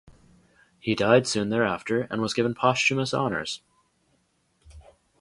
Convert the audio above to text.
He died soon thereafter and was given posthumous honors.